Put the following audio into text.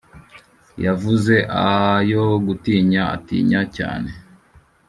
yavuze ayo gutinya atinya cyane